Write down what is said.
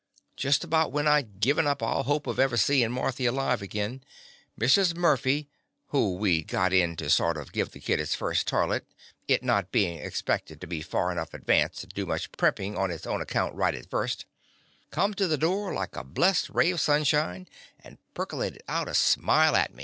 Just about when I 'd given up all hopes of ever seein' Marthy alive again, Mrs. Murphy, (who we 'd got in to sort of give the kid its first toilet, it not being expected to be far enough advanced to do much primping on its own account right at first) come to the door like a blessed ray of sunshine, and percolated out a smile at me.